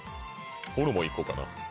ホルモンいこうかな